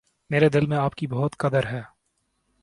میرے دل میں آپ کی بہت قدر ہے۔